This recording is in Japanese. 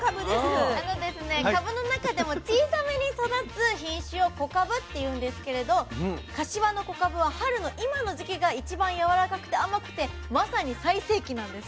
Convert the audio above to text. かぶの中でも小さめに育つ品種を小かぶって言うんですけれど柏の小かぶは春の今の時期が一番やわらかくて甘くてまさに最盛期なんです。